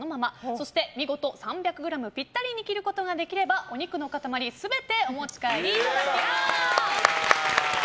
そして見事３００ｇぴったりに切ることができればお肉の塊全てお持ち帰りいただけます。